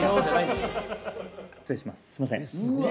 すみません。